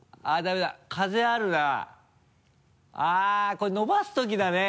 これ伸ばすときだね。